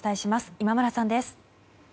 今村さんです。